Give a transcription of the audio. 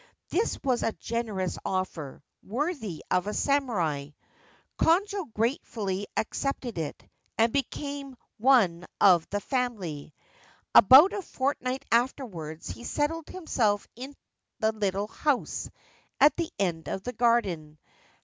This was a generous offer, worthy of a samurai. Konojo gratefully accepted it, and became one of the family. About a fortnight afterwards he settled himself in the little house at the end of the garden.